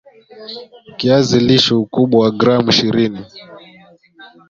Kiazi lishe ukubwa wa gram ishirini